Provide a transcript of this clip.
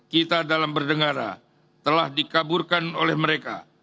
kita dalam berdengara telah dikaburkan oleh mereka